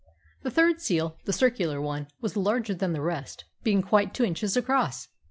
The third seal, the circular one, was larger than the rest, being quite two inches across.